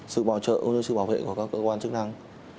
sự bảo trợ cũng như sự bảo vệ của các cơ quan chức năng